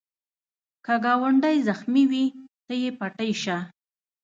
که ګاونډی زخمې وي، ته یې پټۍ شه